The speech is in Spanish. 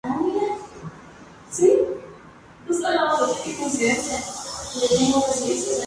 Protagonizada por Ana María Picchio y Alberto Martín dirigida por Edgardo Borda.